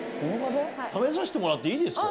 試させてもらっていいですか？